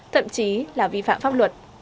thậm chí là vi phạm pháp luật